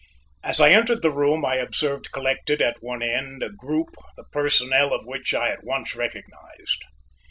As I entered the room I observed collected at one end a group, the personnel of which I at once recognized.